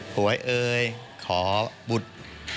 หวยเอ่ยขอบุตร